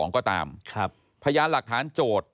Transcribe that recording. ก็ตามพยานหลักฐานโจทย์